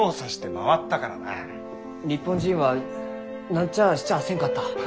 日本人は何ちゃあしちゃあせんかった？